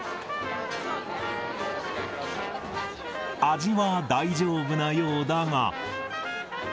味は大丈夫なようだが。